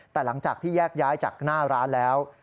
แต่หลังจากที่แยกย้ายจากหน้าร้านแล้ว